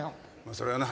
それはな